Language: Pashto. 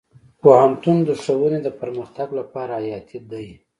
پوهنتون د ښوونې د پرمختګ لپاره حیاتي دی.